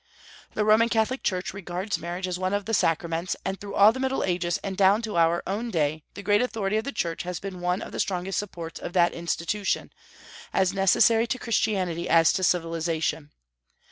The Roman Catholic Church regards marriage as one of the sacraments, and through all the Middle Ages and down to our own day the great authority of the Church has been one of the strongest supports of that institution, as necessary to Christianity as to civilization.